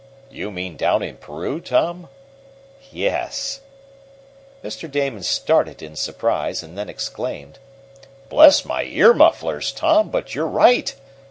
"You mean down in Peru, Tom?" "Yes." Mr. Damon started in surprise, and then exclaimed: "Bless my ear mufflers, Tom, but you're right!